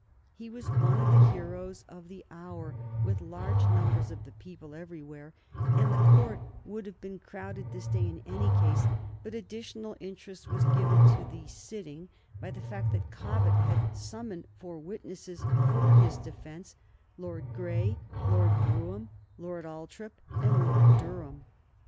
He was one of the heroes of the hour with large numbers of the people everywhere, and the court would have been crowded this day in any case; but additional interest was given to the sitting by the fact that Cobbett had summoned for witnesses for his defence Lord Grey, Lord Brougham, Lord Althorp, and Lord Durham.